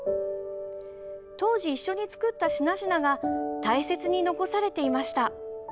当時、一緒に作った品々が大切に残されていました。